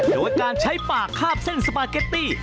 โดยการใช้ปากคาบเส้นสปาเกตตี้